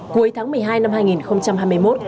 cuối tháng một mươi hai năm hai nghìn hai mươi một